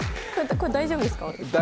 これ大丈夫ですか？